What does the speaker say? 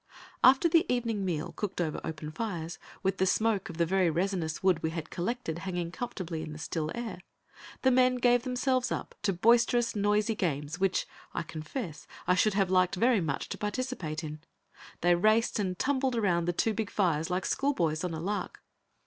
After the evening meal, cooked over open fires, with the smoke of the very resinous wood we had collected hanging comfortably in the still air, the men gave themselves up to boisterous, noisy games, which, I confess, I should have liked very much to participate in. They raced and tumbled around the two big fires like schoolboys on a lark.